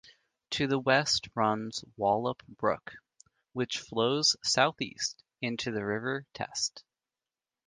To the west runs Wallop Brook which flows south east into the River Test.